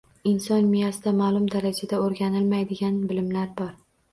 Inson miyasida ma’lum darajada o’rganilmaydigan bilimlar bor.